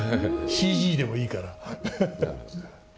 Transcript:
ＣＧでもいいから。